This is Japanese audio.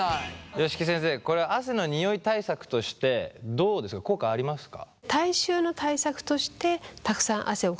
吉木先生これは汗のニオイ対策としてどうですか効果ありますか？